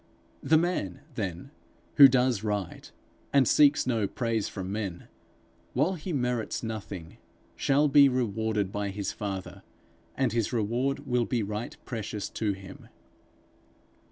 The man, then, who does right, and seeks no praise from men, while he merits nothing, shall be rewarded by his Father, and his reward will be right precious to him.